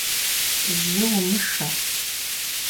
Жьы умышэ!